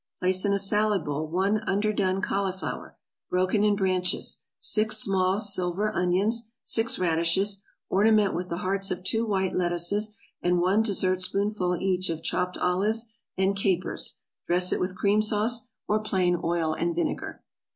= Place in a salad bowl one underdone cauliflower, broken in branches, six small silver onions, six radishes, ornament with the hearts of two white lettuces, and one dessertspoonful each of chopped olives and capers; dress it with cream sauce, or plain oil and vinegar.